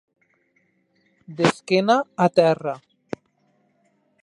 D'esquena a terra.